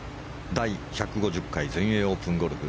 第１５０回全英オープンゴルフ。